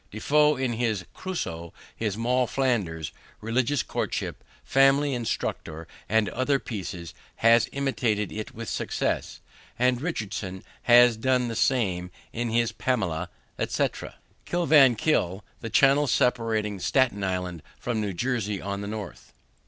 De Foe in his Cruso, his Moll Flanders, Religious Courtship, Family Instructor, and other pieces, has imitated it with success; and Richardson has done the same in his Pamela, etc. Kill van Kull, the channel separating Staten Island from New Jersey on the north.